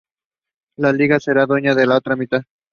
La liga será dueña de la otra mitad.